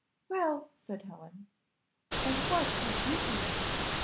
'" "Well," said Helen; "and what did you do?"